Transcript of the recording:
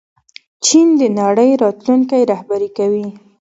چین د نړۍ راتلونکی رهبري کوي.